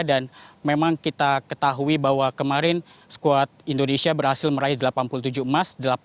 dan memang kita ketahui bahwa kemarin skuad indonesia berhasil meraih delapan puluh tujuh emas